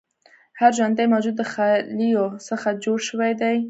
هر ژوندی موجود د خلیو څخه جوړ شوی دی